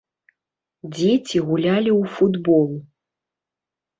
Дзеці гулялі ў футбол.